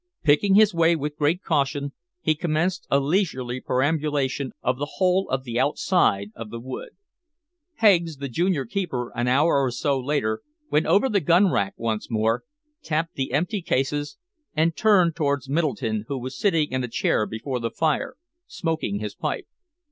Picking his way with great caution, he commenced a leisurely perambulation of the whole of the outside of the wood. Heggs, the junior keeper, an hour or so later, went over the gun rack once more, tapped the empty cases, and turned towards Middleton, who was sitting in a chair before the fire, smoking his pipe.